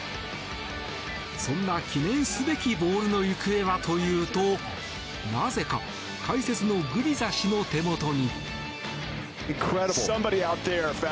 そんな記念すべきボールの行方はというとなぜか解説のグビザ氏の手元に。